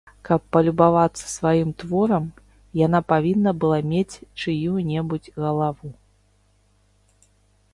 Каб палюбавацца сваім творам, яна павінна была мець чыю-небудзь галаву.